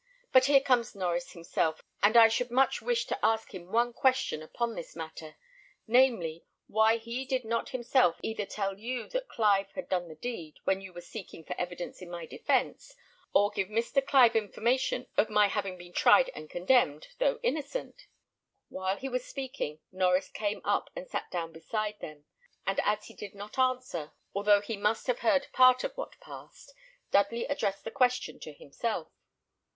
"But here comes Norries himself, and I should much wish to ask him one question upon this matter: namely, why he did not himself either tell you that Clive had done the deed, when you were seeking for evidence in my defence, or give Mr. Clive information of my having been tried and condemned, though innocent?" While he was speaking, Norries came up, and sat down beside them, and as he did not answer, although he must have heard part of what passed, Dudley addressed the question to himself.